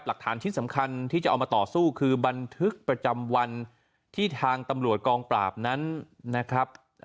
หลักฐานชิ้นสำคัญที่จะเอามาต่อสู้คือบันทึกประจำวันที่ทางตำรวจกองปราบนั้นนะครับ